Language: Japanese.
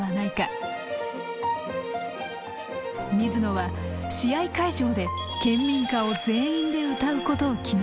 水野は試合会場で県民歌を全員で歌うことを決めた。